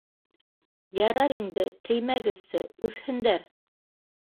— Ярар инде, теймәгеҙсе, үҫһендәр.